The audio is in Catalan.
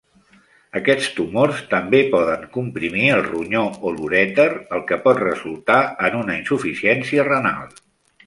Aquests tumors també poden comprimir el ronyó o l'urèter, el que pot resultar en una insuficiència renal.